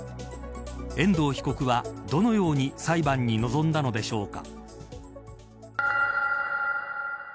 遠藤被告はどのように裁判に臨んだのでしょうか。